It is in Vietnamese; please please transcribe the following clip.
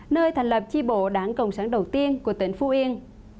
nơi thành lập chi bộ đảng cộng sản đầu tiên của tỉnh phú yên